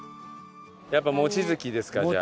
やっぱモチヅキですかじゃあ。